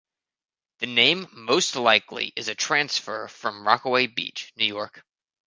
The name most likely is a transfer from Rockaway Beach, New York.